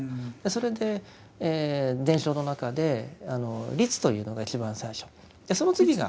それで伝書の中で「律」というのが一番最初その次が。